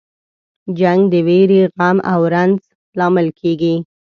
جنګ د ویرې، غم او رنج لامل کیږي.